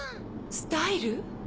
スタイル？